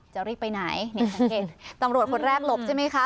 จะรีบไปไหนตำรวจคนแรกหลบใช่ไหมครับ